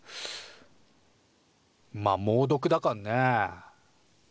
まあ猛毒だかんね。